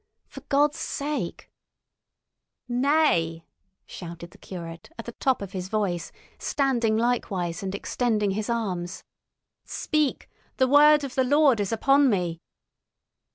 "For God's sake——" "Nay," shouted the curate, at the top of his voice, standing likewise and extending his arms. "Speak! The word of the Lord is upon me!"